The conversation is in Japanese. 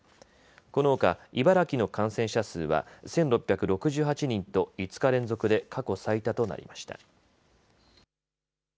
このほか茨城の感染者数は１６６８人と５日連続で過去最多となりました。